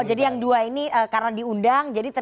jadi yang dua ini karena diundang